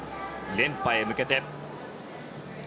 連覇へ向けて。